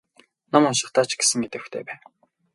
Ном уншихдаа ч гэсэн идэвхтэй бай.